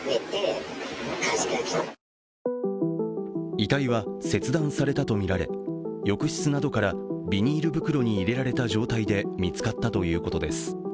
遺体は切断されたとみられ浴室などからビニール袋に入れられた状態で見つかったということです。